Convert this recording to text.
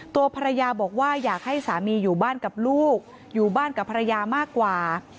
ตัวภรรยาบอกว่าอยากให้สามีอยู่บ้านกับลูกอยู่บ้านกับภรรยามากกว่า